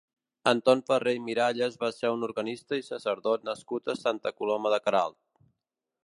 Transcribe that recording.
Anton Ferrer i Miralles va ser un organista i sacerdot nascut a Santa Coloma de Queralt.